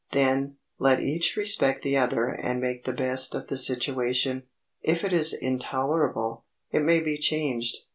Then, let each respect the other and make the best of the situation. If it is intolerable, it may be changed.